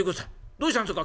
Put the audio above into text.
どうしたんすか？